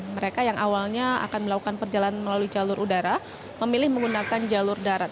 mereka yang awalnya akan melakukan perjalanan melalui jalur udara memilih menggunakan jalur darat